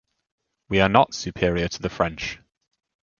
We are not superior to the French.